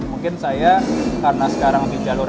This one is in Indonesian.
mungkin saya karena sekarang di jalur